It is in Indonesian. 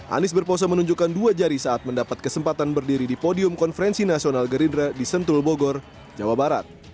anies berpose menunjukkan dua jari saat mendapat kesempatan berdiri di podium konferensi nasional gerindra di sentul bogor jawa barat